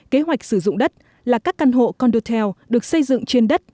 kế hoạch sử dụng đất là các căn hộ condotel được xây dựng trên đất